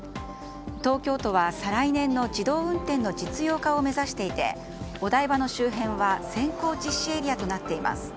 東京都は再来年の自動運転の実用化を目指していてお台場の周辺は先行実施エリアとなっています。